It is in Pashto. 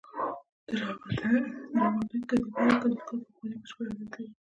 د رباطک کتیبه د کنیشکا د واکمنۍ بشپړه لېست لري